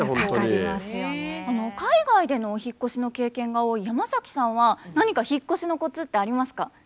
海外でのお引っ越しの経験が多いヤマザキさんは何か引っ越しのコツってありますか？